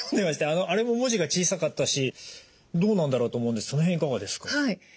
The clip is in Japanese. あのあれも文字が小さかったしどうなんだろうと思うんですがその辺いかがですか？